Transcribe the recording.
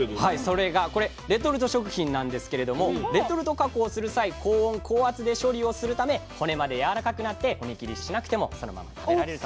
それがこれレトルト食品なんですけれどもレトルト加工をする際「高温高圧」で処理をするため骨までやわらかくなって骨切りしなくてもそのまま食べられると。